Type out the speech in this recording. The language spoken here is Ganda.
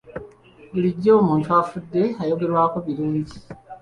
Bulijjo omuntu afudde ayogerwako birungi.